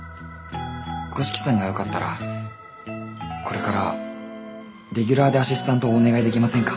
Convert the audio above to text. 五色さんがよかったらこれからレギュラーでアシスタントをお願いできませんか？